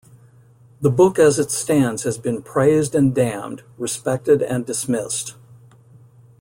The book as it stands has been praised and damned, respected and dismissed.